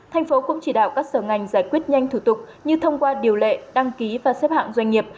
thành phố cũng chỉ đạo các sở ngành giải quyết nhanh thủ tục như thông qua điều lệ đăng ký và xếp hạng doanh nghiệp